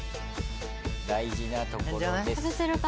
大事なところです。